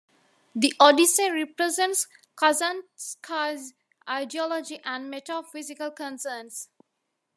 The "Odyssey" represents Kazantzakis' ideology and metaphysical concerns.